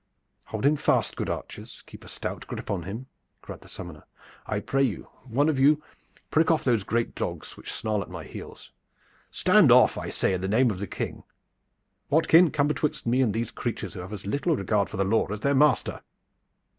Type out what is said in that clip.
"Hold him fast, good archers! Keep a stout grip on him!" cried the summoner. "I pray you, one of you, prick off these great dogs which snarl at my heels. Stand off, I say, in the name of the King! Watkin, come betwixt me and these creatures who have as little regard for the law as their master."